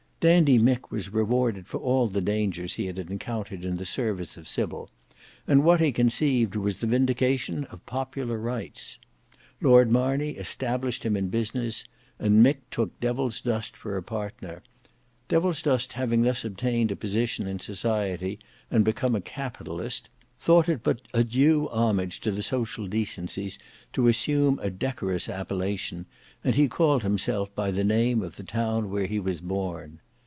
Dandy Mick was rewarded for all the dangers he had encountered in the service of Sybil, and what he conceived was the vindication of popular rights. Lord Marney established him in business, and Mick took Devilsdust for a partner. Devilsdust having thus obtained a position in society and become a capitalist, thought it but a due homage to the social decencies to assume a decorous appellation, and he called himself by the name of the town where he was born.